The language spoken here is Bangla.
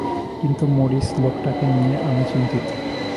কিন্তু মরিস লোকটাকে নিয়ে আমি চিন্তিত।